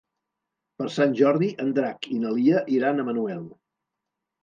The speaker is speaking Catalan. Per Sant Jordi en Drac i na Lia iran a Manuel.